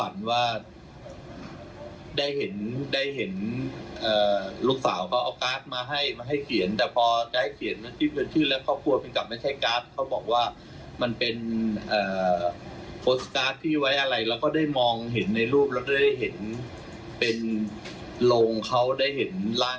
ในฝันก็ยังแบบเราก็ร้องร้องไห้ออกมา